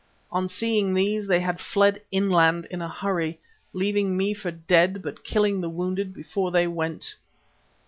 On seeing these they had fled inland in a hurry, leaving me for dead, but killing the wounded before they went.